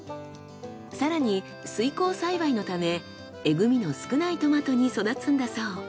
更に水耕栽培のためえぐみの少ないトマトに育つんだそう。